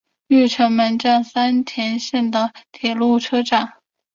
御成门站三田线的铁路车站。